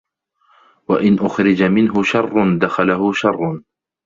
وَإِنْ أُخْرِجَ مِنْهُ شَرٌّ دَخَلَهُ شَرٌّ